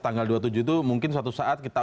tanggal dua puluh tujuh itu mungkin suatu saat kita